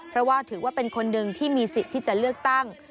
เพราะว่าถือว่าเป็นคนหนึ่งที่มีสิทธิ์ที่จะเลือกตั้ง